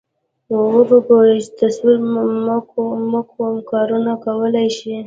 و به ګورئ چې تصور مو کوم کارونه کولای شي.